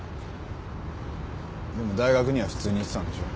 でも大学には普通に行ってたんでしょ？